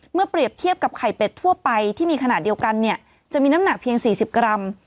เปรียบเทียบกับไข่เป็ดทั่วไปที่มีขนาดเดียวกันเนี่ยจะมีน้ำหนักเพียง๔๐กรัม